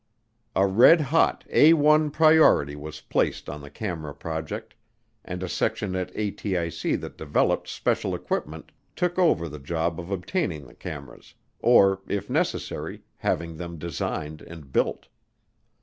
A red hot, A l priority was placed on the camera project, and a section at ATIC that developed special equipment took over the job of obtaining the cameras, or, if necessary, having them designed and built.